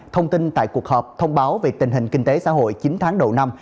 thông tin tại cuộc họp thông báo về tình hình kinh tế xã hội chín tháng đầu năm